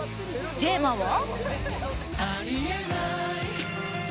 テーマは。